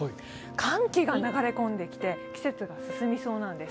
寒気が流れ込んできて、季節が進みそうなんです。